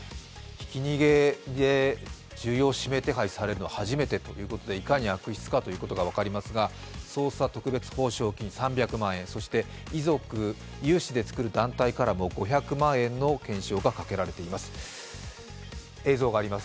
ひき逃げで重要指名手配されるのは初めてということでいかに悪質か分かりますが捜査特別報奨金が３００万円、そして遺族、有志で作る団体からも５００万円の懸賞がかけられています。